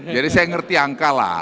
jadi saya ngerti angka lah